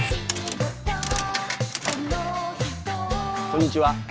こんにちは。